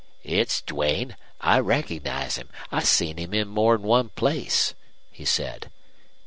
"It's Duane. I recognize him. I seen him in more'n one place," he said.